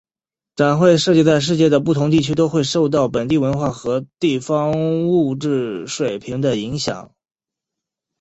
展会设计在世界的不同地区都会受到本地文化和地方物质水平的影响。